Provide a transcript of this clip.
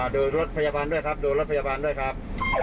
ดูรถพยาบาลด้วยครับดูรถพยาบาลด้วยครับ